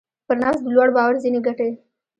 پر نفس د لوړ باور ځينې ګټې.